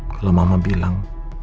kalau mama bilang